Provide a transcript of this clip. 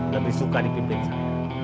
lebih suka di pimpin saya